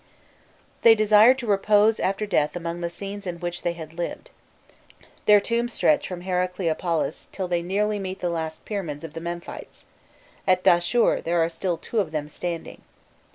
They desired to repose after death among the scenes in which they had lived. Their tombs stretch from Heracleo polis till they nearly meet the last pyramids of the Memphites: at Dahshur there are still two of them standing.